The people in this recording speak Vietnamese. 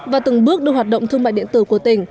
và từng bước đưa hoạt động thương mại điện tử của tỉnh